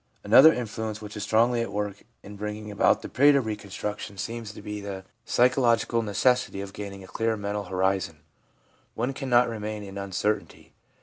Another influence which is strongly at work in bringing about the period of reconstruction seems to be the psy chological necessity of gaining a clear mental horizon ; one cannot remain in uncertainty.